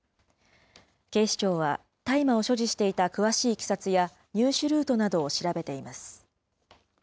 警視庁は大麻を所持していた詳しいいきさつや入手ルートなどを調べています。